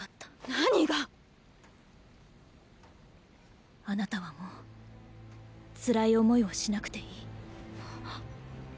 何が⁉あなたはもう辛い思いをしなくていい。っ！